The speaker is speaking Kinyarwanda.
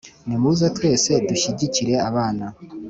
Nimuze twese dushyigikire, abana